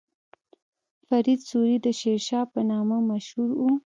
فرید سوري د شیرشاه په نامه مشهور و.